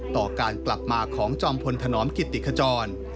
ต่อการกลับมาของจอมพลธนอมกิติขจร